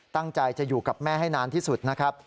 ตั้งใจจะอยู่กับแม่ให้นานที่สุดนะครับ